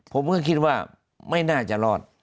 ผมก็คิดว่าไม่น่าจะรอด